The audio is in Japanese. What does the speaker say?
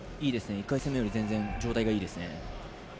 １回戦目より全然状態がいいですね。